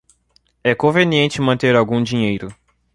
É conveniente manter algum dinheiro.